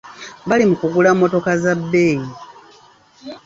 Bali mu kugula mmotoka za bbeeyi.